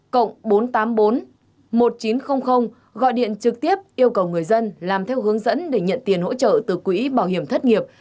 cộng bốn trăm tám mươi bốn một nghìn chín trăm linh gọi điện trực tiếp yêu cầu người dân làm theo hướng dẫn để nhận tiền hỗ trợ từ quỹ bảo hiểm thất nghiệp